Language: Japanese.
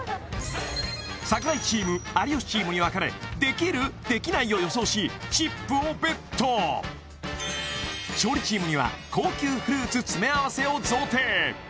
櫻井チーム有吉チームに分かれできるできないを予想しチップをＢＥＴ勝利チームには高級フルーツ詰合せを贈呈